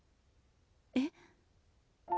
えっ。